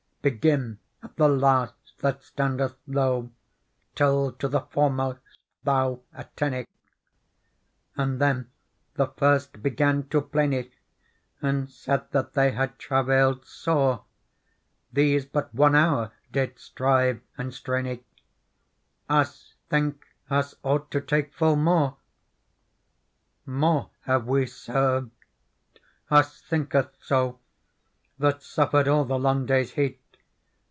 Begin at the last that standeth low Till to the foremost thou atteny/ 2 And then the first began to pleny,^ And said that they had travailed sore :* These but one hour did strive and streny ;^ Us think us ought to take full more. "' More have we served, us thinketh so. That suffered all the long day's heat.